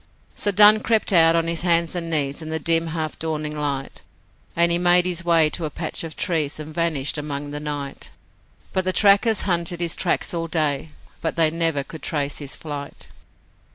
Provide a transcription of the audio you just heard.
So Dunn crept out on his hands and knees In the dim, half dawning light, And he made his way to a patch of trees, And vanished among the night, And the trackers hunted his tracks all day, But they never could trace his flight.